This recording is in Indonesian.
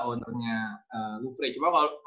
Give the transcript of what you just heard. ownernya louvre cuma kalau